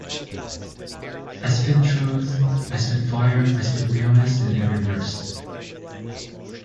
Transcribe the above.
I spit truth, I spit fire, I spit realness in every verse.